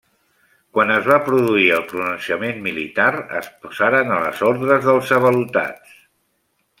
Quan es va produir el pronunciament militar, es posaren a les ordres dels avalotats.